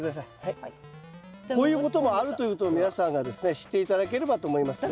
こういうこともあるということを皆さんがですね知って頂ければと思いますね。